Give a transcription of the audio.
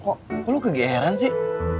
kok lo ke gr an sih